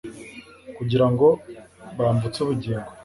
kugira ngo bamvutse ubugingo